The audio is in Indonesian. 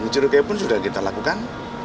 curi kai pun sudah kita lakukan